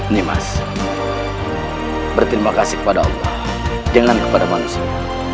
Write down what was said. nimas berterima kasih kepada allah jangan kepada manusia